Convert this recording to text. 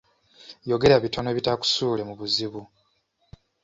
Yogera bitono ebitaakusuule mu buzibu.